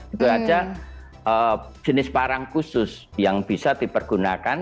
itu saja jenis parang khusus yang bisa dipergunakan